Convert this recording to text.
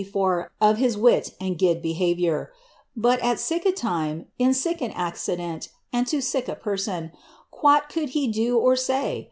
283 before of his wit and guid behaviour ; but, at sic a time, in sic an acci dent, and to sic a person, quhat could he do or say?